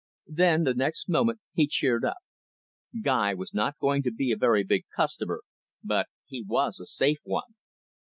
Then, the next moment, he cheered up. Guy was not going to be a very big customer, but he was a safe one.